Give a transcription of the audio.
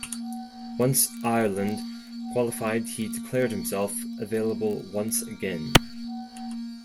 Once Ireland qualified he declared himself available once again.